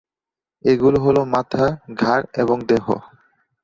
এগুলো হলো মাথা, ঘাড় এবং দেহ।